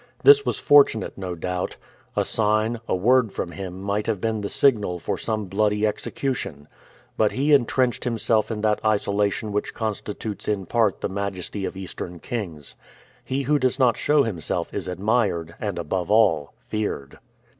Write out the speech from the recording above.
This was fortunate, no doubt. A sign, a word from him might have been the signal for some bloody execution. But he intrenched himself in that isolation which constitutes in part the majesty of Eastern kings. He who does not show himself is admired, and, above all, feared.